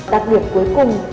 đặc biệt cuối cùng